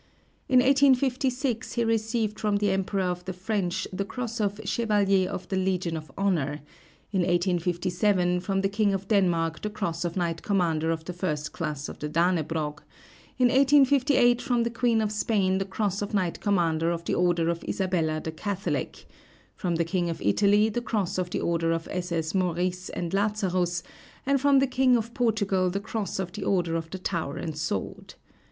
In 1856 he received from the Emperor of the French the cross of Chevalier of the Legion of Honor; in 1857 from the King of Denmark the cross of Knight Commander of the First Class of the Danebrog; in 1858 from the Queen of Spain the cross of Knight Commander of the Order of Isabella the Catholic; from the king of Italy the cross of the Order of SS. Maurice and Lazarus, and from the king of Portugal the cross of the Order of the Tower and Sword.